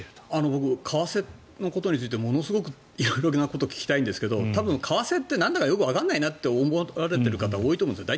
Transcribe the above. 僕、為替のことについてものすごく基本的なことを聞きたいんですけど多分、為替ってなんだかよくわからないなって思われている方が多いと思うんです。